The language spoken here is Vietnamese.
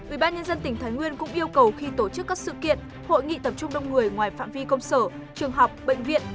ubnd tỉnh thái nguyên cũng yêu cầu khi tổ chức các sự kiện hội nghị tập trung đông người ngoài phạm vi công sở trường học bệnh viện